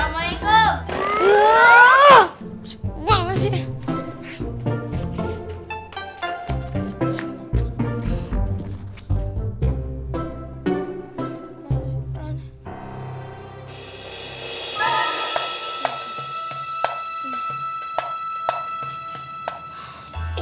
oh masalah menunggu ini